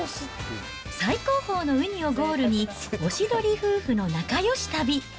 最高峰のウニをゴールに、おしどり夫婦の仲よし旅。